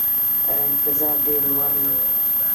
تر انتظار ډېر لوړ وو.